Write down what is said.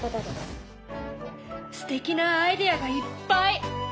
すてきなアイデアがいっぱい！